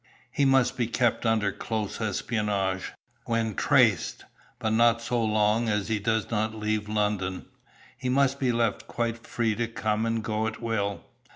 "He must be kept under close espionage, when traced, but so long as he does not leave London, he must be left quite free to come and go at will.